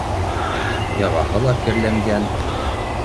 Яғаһы ла керләнгән.